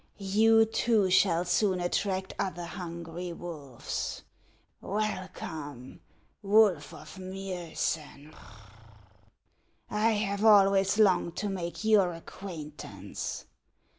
You too shall soon attract other hungry wolves. "Welcome, wolf of Miosen ; I have always longed to make your ac quaintance.